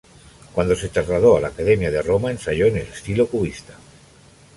Cuando se trasladó a la Academia de Roma, ensayó en el estilo cubista.